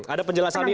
ada penjelasan dia